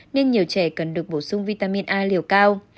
nên nhiều trẻ cần được bổ sung vitamin a liều cao